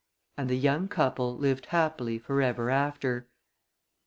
And the young couple lived happily forever after.